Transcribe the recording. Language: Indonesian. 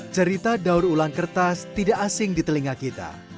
cerita daur ulang kertas tidak asing di telinga kita